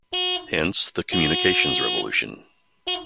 Hence: the "Communications Revolution".